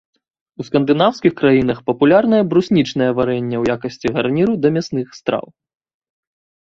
У скандынаўскіх краінах папулярнае бруснічнае варэнне ў якасці гарніру да мясных страў.